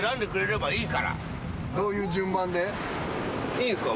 いいんすか？